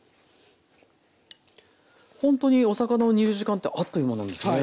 ほんとにお魚を煮る時間ってあっという間なんですね。